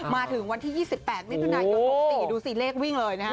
มาถึงวันที่๒๘มิถุนายน๖๔ดูสิเลขวิ่งเลยนะฮะ